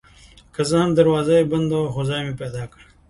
که څه هم دروازه یې بنده وه خو ځای مې پیدا کړ.